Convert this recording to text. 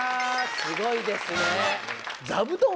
すごいですね。